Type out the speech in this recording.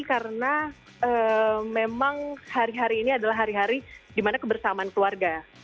karena memang hari hari ini adalah hari hari di mana kebersamaan keluarga